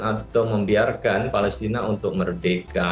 atau membiarkan palestina untuk merdeka